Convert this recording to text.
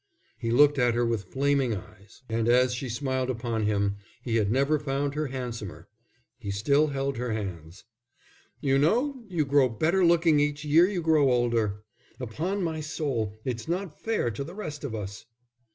He looked at her with flaming eyes, and as she smiled upon him, he had never found her handsomer. He still held her hands. "You know, you grow better looking each year you grow older. Upon my soul, it's not fair to the rest of us."